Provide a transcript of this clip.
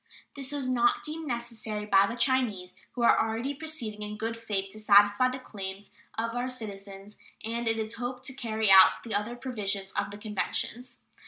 This was not deemed necessary by the Chinese, who are already proceeding in good faith to satisfy the claims of our citizens and, it is hoped, to carry out the other provisions of the conventions.